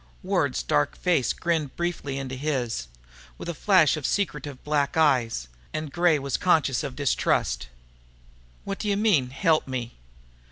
Ward's dark face grinned briefly into his, with a flash of secretive black eyes, and Gray was conscious of distrust. "What do you mean, help me?"